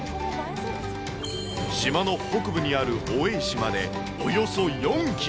島の北部にある王位石まで、およそ４キロ。